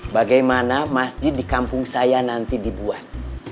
bagaimana masjid di kampung saya nanti dibuat